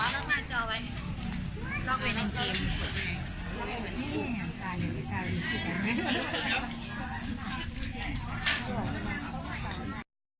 สวัสดีครับ